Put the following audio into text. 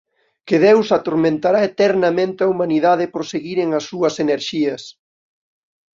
Que Deus atormentará eternamente a humanidade por seguiren as súas enerxías.